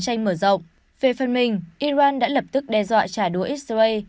trong một cuộc chiến tranh mở rộng về phần mình iran đã lập tức đe dọa trả đuối israel